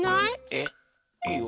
えいいよ。